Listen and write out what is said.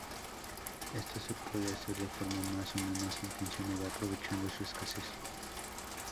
Esto se puede hacer de forma más o menos intencionada aprovechando su escasez.